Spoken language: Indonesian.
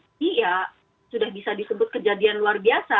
tapi ya sudah bisa disebut kejadian luar biasa